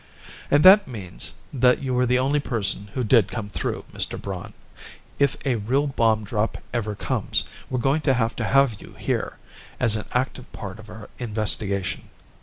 "And that means that you were the only person who did come through, Mr. Braun. If a real bomb drop ever comes, we're going to have to have you here, as an active part of our investigation.